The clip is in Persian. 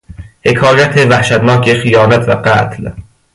حکایت وحشتناک خیانت و قتل